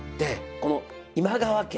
この今川家